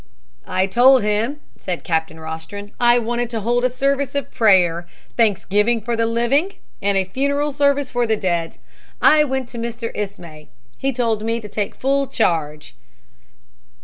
"I told him," said Captain Rostron, "I wanted to hold a service of prayer thanksgiving for the living and a funeral service for the dead. I went to Mr. Ismay. He told me to take full charge.